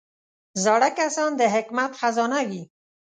زاړه کسان د حکمت خزانه وي